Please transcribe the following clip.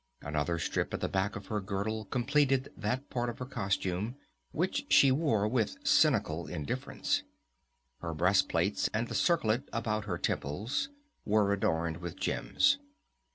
Another strip at the back of her girdle completed that part of her costume, which she wore with a cynical indifference. Her breast plates and the circlet about her temples were adorned with gems.